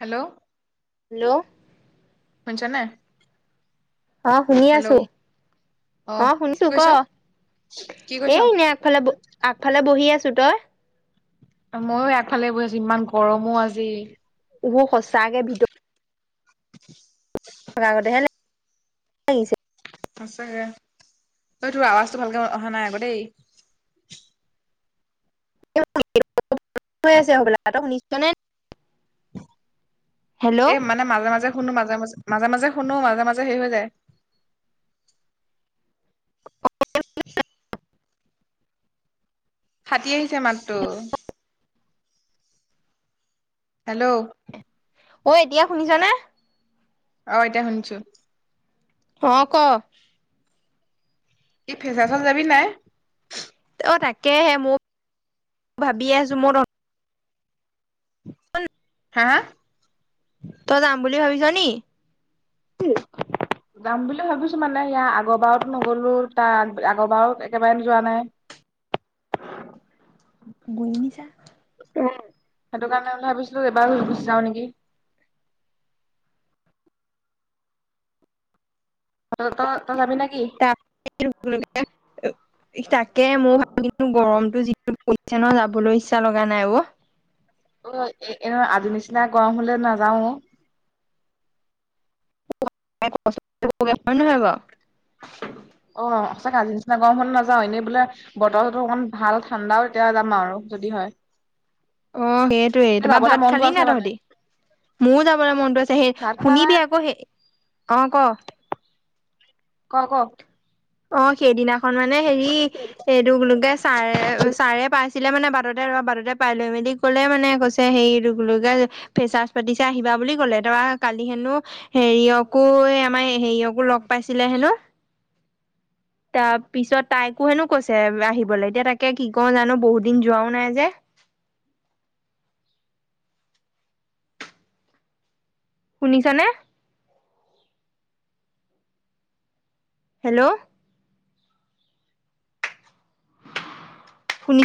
Hello, hello, শুনিছা নে। অ শুনি আছোঁ অ, কি শুনিছো ক কৈছ? কি এ কৈছ? এনে আগফালে ব আগফালে বহি আছো। [unintelligible] ময়ো আগফালে বৈ আছো ইমান গৰমো আজি বহু সচাকে ভিতৰত [unintelligible] সচাকে তই তোৰ আৱাজটো ভালকে অহা নাই আকৌ দেই। আছে হবা ত শুনিশছনে? এ মানে মাজে মাজে শুনো মাজে মাজে মাজে মাজে শুনো মাজে মাজে সেই হৈ যায় [inaudible] ফাটি আহিছে মাতটো হেল্ল' ঐ এতিয়া শুনিছ নে অ, এতিয়া শুনিছো। অ, ক ই ফেচা চল যাবি নাই অ তাকেহে মই ভাবি আছোঁ ম হয় হা - হা তই যাম বুলি ভাবিছ নি। উম, যাম বুলি ভাবিছো মানে ইয়াৰ আগৰ বাৰতো নগলো তাৰ আগৰবাৰ একেবাৰে যোৱা নাই। [inaudible] গুৰি নিছা। উম, সেইটো কাৰণে ভাবিছিলো এবাৰ গুচি যাও নেকি। তই তই তই যাবি নেকি? প [unintelligible] তাকে মোৰ ভাব কিন্ত গৰমতটো যিটো পৰিছে ন যাবলৈ ইচ্ছা লগা নাই অ, অ, এ আগৰ নিচিনা গৰম হলে নাযাও। ন হে [inaudible] অ সঁচাকে আজি নিচিনা গৰম হ নাযাও এনেই বোলে বতৰ চতো অকমান ভাল ঠাণ্ডাও এতিয়া যাম আৰু যদি হয়। অ, সেইটোয়ে তোমাৰ যাবলৈ ভাত মনটো খালি আছে না মানে তহতি? মোৰো যাবলৈ মনটো আছে সেই ভাত খোৱা নাই শুনিবি আকৌ সেই অ, ক ক ক অ সেইদিনাখন মানে হেৰি এইটো লোকে ছাৰে ছাৰে পাইছে ছিলে মানে বাটতে বাটতে পাই লৈ মেলি ক'লে মানে কৈছে সেইকে ফেচাজ পাতিছে আহিবা বুলি কলে তাৰপৰা কালি হেনো হেৰিয়কো এই আমাৰ হেৰিয়কো লগ পাইছিলে হেনো। [inaudible] তাৰ পিছত তাইকো হেনো কৈছে আহিবলৈ এতিয়া তাকে কি ক জানো বহুত দিন যোৱাও নাই যে [inaudible] শুনিছা নে? হেল্ল'। শুনি